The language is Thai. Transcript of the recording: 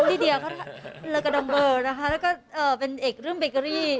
ลีเดียก็เริ่มกระดำเบิร์นนะคะแล้วก็เป็นเอกเรื่องเบเกอรี่